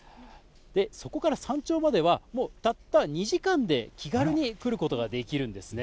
そこから山頂までは、たった２時間で気軽に来ることができるんですね。